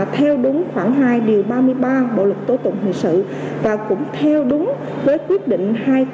theo đúng khoảng hai điều ba mươi ba bộ lực tố tụng hình sự và cũng theo đúng với quyết định hai nghìn một mươi bảy